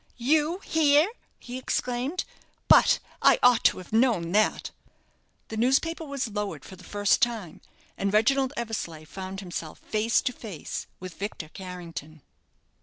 "You here!" he exclaimed. "But I ought to have known that." The newspaper was lowered for the first time; and Reginald Eversleigh found himself face to face with Victor Carrington.